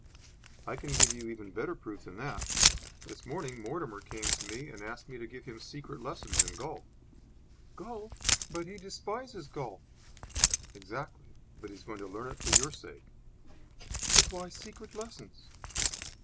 "I can give you even better proof than that. This morning Mortimer came to me and asked me to give him secret lessons in golf." "Golf! But he despises golf." "Exactly. But he is going to learn it for your sake." "But why secret lessons?"